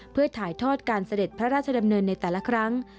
เพื่อถ่ายทอดการเสด็จพระราชดำเนินในแต่ละครั้ง